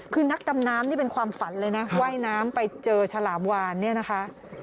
คือนักดำน้ำนี่เป็นความฝันเลยนะว่ายน้ำไปเจอฉลามวานเนี่ยนะคะ